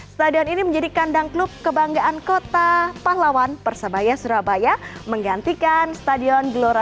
stadion ini menjadi kandang klub kebanggaan kota pahlawan persebaya surabaya menggantikan stadion gelora